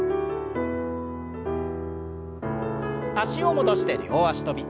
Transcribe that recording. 脚を戻して両脚跳び。